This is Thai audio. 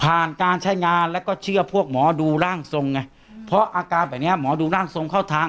การใช้งานแล้วก็เชื่อพวกหมอดูร่างทรงไงเพราะอาการแบบเนี้ยหมอดูร่างทรงเข้าทาง